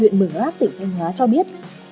huyện mường lát tỉnh thanh hóa cho biết